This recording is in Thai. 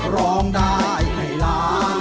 ร้องได้ให้ล้าน